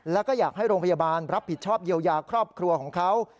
แล้วก็อยากให้โรงพยาบาลรับผิดชอบเยียวยาครอบครัวของเขา